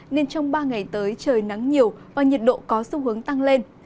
nên trong ba ngày tới trời nắng nhiều và nhiệt độ có xu hướng tăng lên